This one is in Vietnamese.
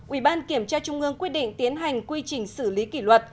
ubnd quyết định tiến hành quy trình xử lý kỷ luật